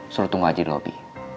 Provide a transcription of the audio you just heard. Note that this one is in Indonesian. suruh tunggu aja di lobi